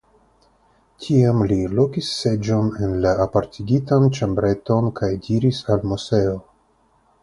Tiam li lokis seĝon en la apartigitan ĉambreton kaj diris al Moseo.